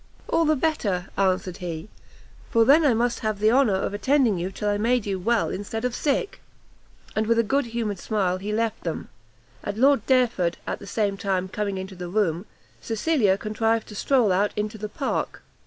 "All the better," answered he, "for then I must have the honour of attending you till I made you well instead of sick." And with a good humoured smile, he left them; and Lord Derford, at the same time, coming into the room, Cecilia contrived to stroll out into the park.